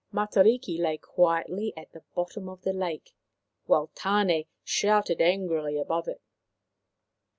[ Matariki lay quietly at the bottom of the lake, while Tane* shouted angrily above it.